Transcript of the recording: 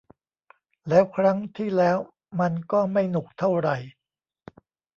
แล้วครั้งที่แล้วมันก็ไม่หนุกเท่าไหร่